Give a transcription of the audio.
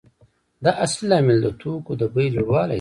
دا اصلي لامل د توکو د بیې لوړوالی دی